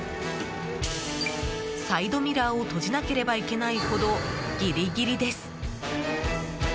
サイドミラーを閉じなければいけないほどギリギリです。